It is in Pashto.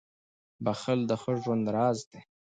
• بښل د ښه ژوند راز دی.